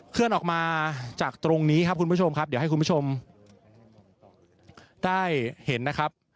เคลื่อนออกมาจากตรงนี้ครับคุณผู้ชมครับเดี๋ยวให้คุณผู้ชมได้เห็นนะครับ